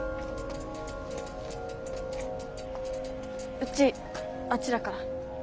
うちあっちだから。